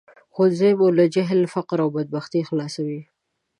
ښوونځی مو له جهل، فقر او بدبختۍ خلاصوي